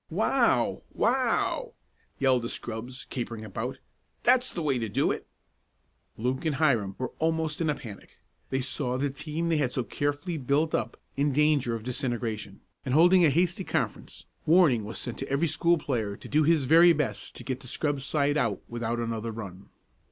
"Wow! Wow!" yelled the scrubs, capering about. "That's the way to do it!" Luke and Hiram were almost in a panic. They saw the team they had so carefully built up in danger of disintegration; and holding a hasty conference, warning was sent to every school player to do his very best to get the scrub side out without another run.